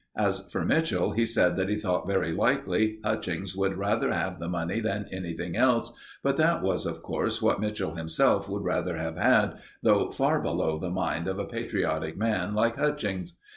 As for Mitchell, he said that he thought very likely Hutchings would rather have the money than anything else; but that was, of course, what Mitchell himself would rather have had, though far below the mind of a patriotic man like Hutchings.